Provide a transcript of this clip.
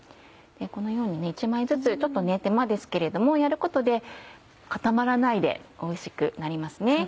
このように１枚ずつちょっと手間ですけれどもやることで固まらないでおいしくなりますね。